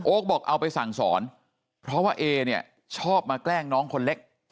บอกเอาไปสั่งสอนเพราะว่าเอเนี่ยชอบมาแกล้งน้องคนเล็ก